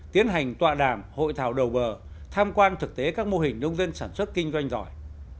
tiến hành tọa đàm hội thảo đầu bờ tham quan thực tế các mô hình nông dân sản xuất kinh doanh giỏi